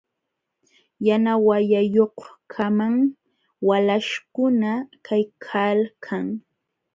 Yana wayayuqkamam walaśhkuna kaykalkan.